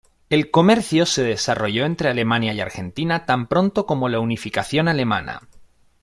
El comercio se desarrolló entre Alemania y Argentina tan pronto como la Unificación Alemana.